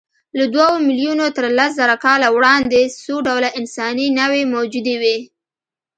له دوو میلیونو تر لسزره کاله وړاندې څو ډوله انساني نوعې موجودې وې.